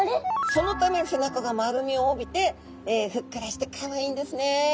そのため背中が丸みを帯びてふっくらしてかわいいんですね。